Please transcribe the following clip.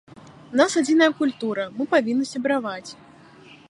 У нас адзіная культура, мы павінны сябраваць.